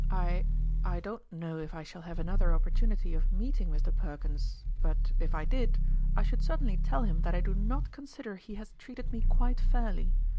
I I don't know if I shall have another opportunity of meeting Mr. Perkins ; but if I did, I should certainly tell him that I do not consider he has treated me quite fairly.